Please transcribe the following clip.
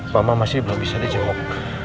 mama masih belum bisa dijemuk